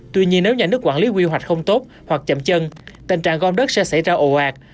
tuy nhiên nếu nhà nước quản lý quy hoạch không tốt hoặc chậm chân tình trạng gom đất sẽ xảy ra ồ ạt